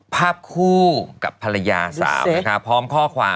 ภาพคู่กับภรรยาสาวนะคะพร้อมข้อความ